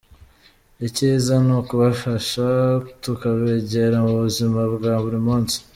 Icyiza ni ukubafasha tukabegera mu buzima bwa buri munsi.